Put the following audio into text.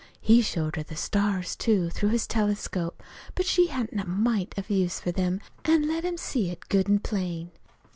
He showed her the stars, too, through his telescope; but she hadn't a mite of use for them, an' let him see it good an' plain.